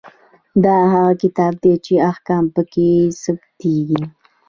دا هغه کتاب دی چې احکام پکې ثبتیږي.